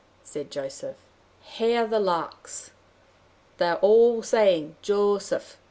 said Joseph, "hear the larks! They are all saying: 'Jo seph!